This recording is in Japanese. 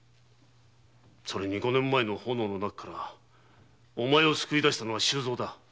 それに五年前の炎の中からお前を救い出したのは周蔵だ。